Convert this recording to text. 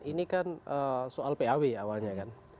ini kan soal paw awalnya kan